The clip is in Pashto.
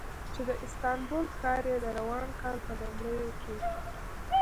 چې د استانبول ښار یې د روان کال په لومړیو کې